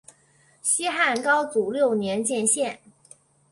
西汉高祖六年建县。